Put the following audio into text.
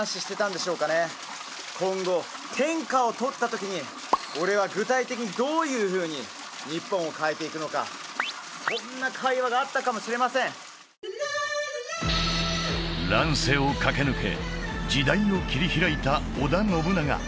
ものすごくあ俺は具体的にどういうふうに日本を変えていくのかそんな会話があったかもしれません乱世を駆け抜け時代を切り開いた織田信長